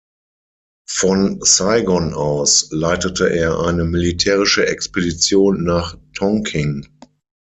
Von Saigon aus leitete er eine militärische Expedition nach Tonkin.